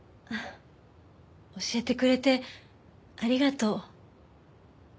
教えてくれてありがとう。